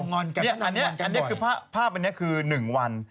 อันนี้คือภาพอันนี้คือ๑วัน